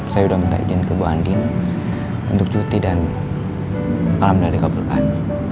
saya sudah minta izin ke bu andi untuk cuti dan alhamdulillah dikabulkan